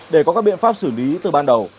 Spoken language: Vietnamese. để có các biện pháp xử lý từ ban đầu